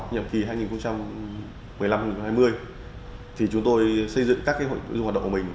nhiệm kỳ hai nghìn một mươi năm hai nghìn hai mươi thì chúng tôi xây dựng các hội lưu hoạt động của mình